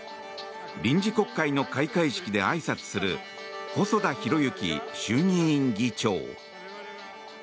臨時国会の開会式であいさつする細田博之衆議院議長。